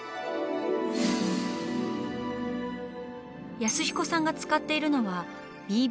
安彦さんが使っているのは「ＢＢケント紙」。